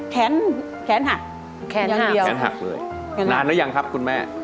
แขนหักแขนเดียวแขนหักเลยนานแล้วยังครับคุณแม่